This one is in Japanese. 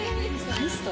ミスト？